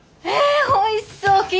えおいしそう！